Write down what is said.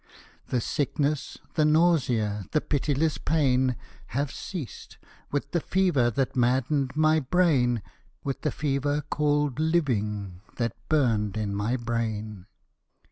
The sickness the nausea The pitiless pain Have ceased, with the fever That maddened my brain With the fever called "Living" That burned in my brain.